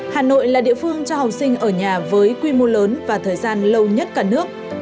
hà nội là địa phương cho học sinh ở nhà với quy mô lớn và thời gian lâu nhất cả nước